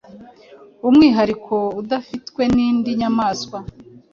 umwihariko udafitwe n’ indi nyamaswa